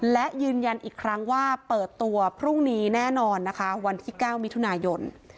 และยืนยันอีกครั้งว่าเปิดตัวพรุ่งนี้แน่นอนนะคะวันที่๙มิถุนายน